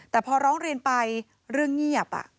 แต่พอร้องเรียนไปเรื่องเงียบ